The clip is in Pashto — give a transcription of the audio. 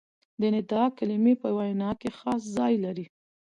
د ندا کلیمې په وینا کښي خاص ځای لري.